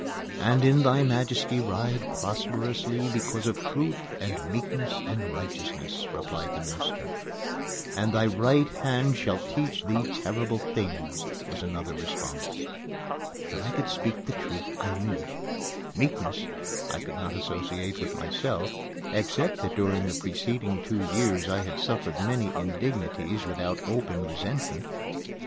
"And in thy majesty ride prosperously because of truth and meekness and righteousness;" replied the minister. "And thy right hand shall teach thee terrible things," was another response. That I could speak the truth, I knew. "Meekness" I could not associate with myself, except that during the preceding two years I had suffered many indignities without open resentment.